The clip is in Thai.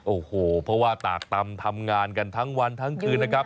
โอ้โหเพราะว่าตากตำทำงานกันทั้งวันทั้งคืนนะครับ